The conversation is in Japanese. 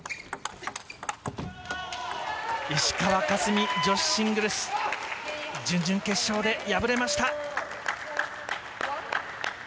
石川佳純、女子シングルス、準々決勝で敗れました。